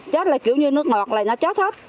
chết là kiểu như nước ngọt là nó chết hết